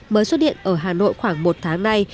mới xuất hiện ở hà nội khoảng một tháng nay